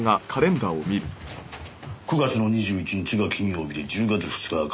９月の２１日が金曜日で１０月２日は火曜日。